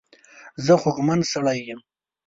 زه خوږمن سړی یم.